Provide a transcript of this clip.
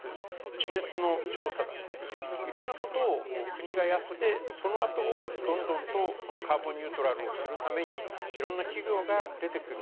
地熱の調査だったりいろんなことを国がやって、そのあとをどんどんと、カーボンニュートラルをするためにいろんな企業が出てくる。